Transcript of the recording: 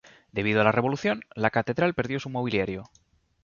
Debido a la Revolución, la catedral perdió su mobiliario.